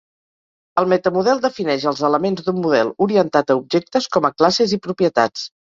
El meta-model defineix els elements d’un model orientat a objectes com a classes i propietats.